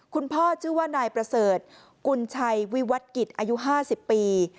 ชื่อว่านายประเสริฐกุญชัยวิวัตกิจอายุ๕๐ปี